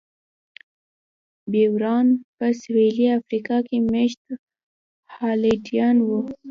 بویران په سوېلي افریقا کې مېشت هالنډیان وو.